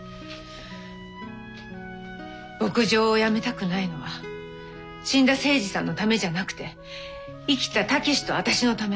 牧場をやめたくないのは死んだ精二さんのためじゃなくて生きた武志と私のため。